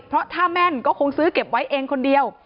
เพราะถ้าแม่นก็คงซื้อเก็บไว้เองคนเดียว